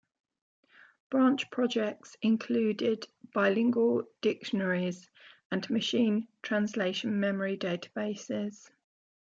Branch projects included bilingual dictionaries and machine translation memory databases.